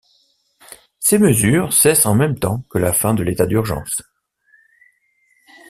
Ces mesures cessent en même temps que la fin de l'état d'urgence.